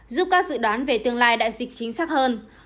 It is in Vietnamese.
giúp các dự đoán về tương lai đại dịch chính xác hơn